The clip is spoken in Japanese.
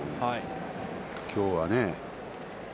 きょうはね。